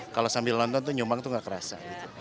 kalau sambil nonton tuh nyumbang tuh gak kerasa